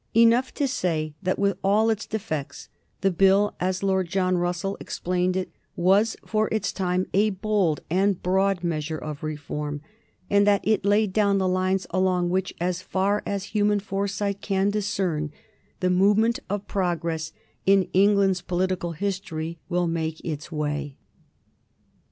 Enough to say that with all its defects the Bill, as Lord John Russell explained it, was, for its time, a bold and broad measure of reform, and that it laid down the lines along which, as far as human foresight can discern, the movement of progress in England's political history will make its way.